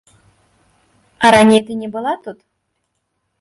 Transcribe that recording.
А раней ты не была тут?